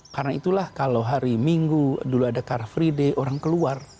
karena itulah kalau hari minggu dulu ada car free day orang keluar